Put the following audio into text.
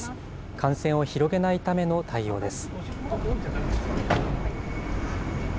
感染を広げないための対応です。